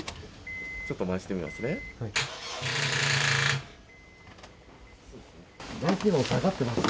ちょっと回してみますね。